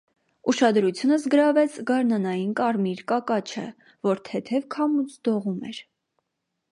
Ուշադրությունս գրավեց գարնանային կարմիր կակաչը, որ թեթև քամուց դողում էր։